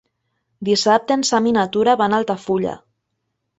Dissabte en Sam i na Tura van a Altafulla.